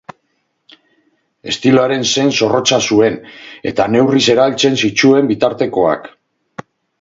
Estiloaren sen zorrotza zuen, eta neurriz erabiltzen zituen bitartekoak.